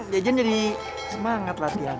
jejen jadi semangat latihan